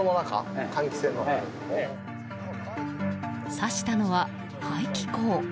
指したのは排気口。